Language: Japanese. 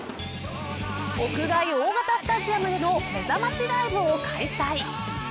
屋外大型スタジアムでのめざましライブを開催。